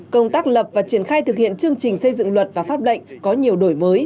công tác lập và triển khai thực hiện chương trình xây dựng luật và pháp lệnh có nhiều đổi mới